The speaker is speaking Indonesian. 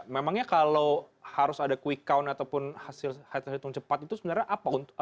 memangnya kalau harus ada quick count ataupun hasil hitung cepat itu sebenarnya apa